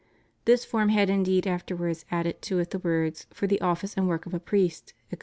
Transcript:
"^ This form had indeed afterwards added to it the words "for the office and work of a priest" etc.